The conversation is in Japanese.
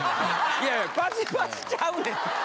いやいやパチパチちゃうで。